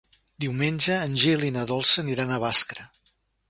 Diumenge en Gil i na Dolça aniran a Bàscara.